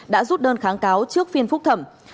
đã rút đơn kháng cáo trước phiên phúc thẩm